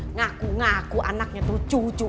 ngaku ngaku anaknya tuh cucu